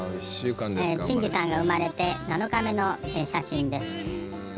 しんじさんが生まれて７日目の写真です。